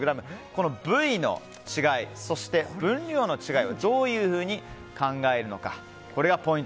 この部位の違いそして分量の違いをどういうふうに考えるのか。